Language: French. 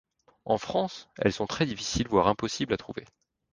En France, elles sont très difficiles, voire impossible, à trouver.